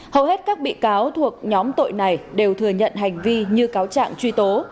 hầu hết các bị cáo thuộc nhóm tội này đều thừa nhận hành vi như cáo trạng truy tố